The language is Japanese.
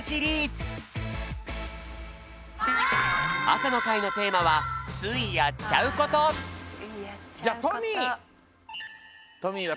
朝の会のテーマは「ついやっちゃうこと」じゃあトミー！